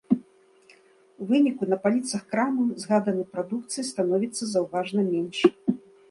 У выніку на паліцах крамаў згаданай прадукцыі становіцца заўважна менш.